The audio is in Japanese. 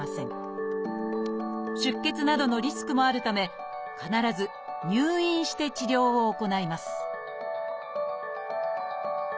出血などのリスクもあるため必ず入院して治療を行います